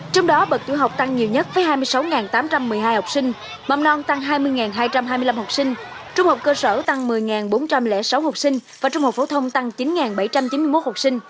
trong đó bậc tiểu học tăng nhiều nhất với hai mươi sáu tám trăm một mươi hai học sinh mầm non tăng hai mươi hai trăm hai mươi năm học sinh trung học cơ sở tăng một mươi bốn trăm linh sáu học sinh và trung học phổ thông tăng chín bảy trăm chín mươi một học sinh